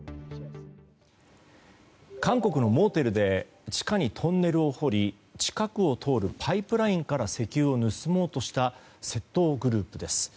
韓国のモーテルで地下にトンネルを掘り近くを通るパイプラインから石油を盗もうとした窃盗グループです。